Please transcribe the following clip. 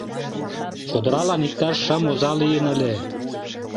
Чодыралан иктаж шым оза лийын ыле.